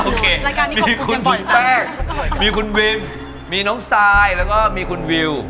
โอเคมีคุณคุณแป้งมีคุณวิมมีน้องไซด์แล้วก็มีคุณวิว